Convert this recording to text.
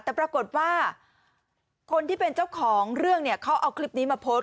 แต่ปรากฏว่าคนที่เป็นเจ้าของเรื่องเนี่ยเขาเอาคลิปนี้มาโพสต์